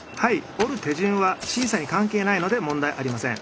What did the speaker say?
折る手順は審査に関係ないので問題ありません。